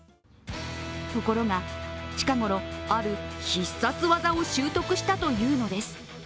ところが、近頃ある必殺技を習得したというのです。